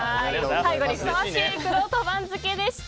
最後にふさわしいくろうと番付でした。